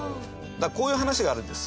こういう話があるんです。